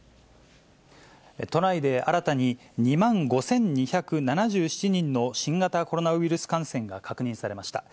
都内で新たに、２万５２７７人の新型コロナウイルス感染が確認されました。